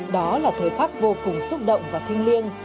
đó là thời pháp vô cùng xúc động và thanh niên